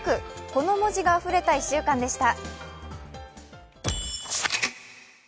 この文字があふれた１週間でした。